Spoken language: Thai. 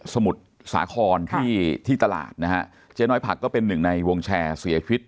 มุทรสาครที่ที่ตลาดนะฮะเจ๊น้อยผักก็เป็นหนึ่งในวงแชร์เสียชีวิต